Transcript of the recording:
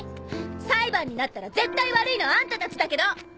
裁判になったら絶対悪いのはあんたたちだけど！